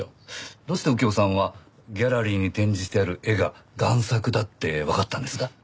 どうして右京さんはギャラリーに展示してある絵が贋作だってわかったんですか？